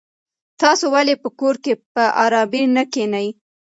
تاسو ولې په کور کې په ارامه نه کېنئ؟